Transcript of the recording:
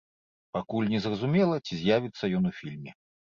Пакуль не зразумела, ці з'явіцца ён у фільме.